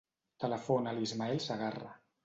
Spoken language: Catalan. Telefona a l'Ismael Cegarra.